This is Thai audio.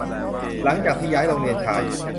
หลังจากที่ย้ายโรงเรียนชาย